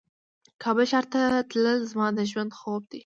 کابل ښار ته تلل زما د ژوند خوب ده